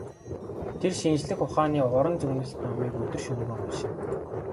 Тэр шинжлэх ухааны уран зөгнөлт номыг өдөр шөнөгүй уншина.